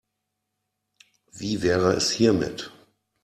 Wie wäre es hiermit?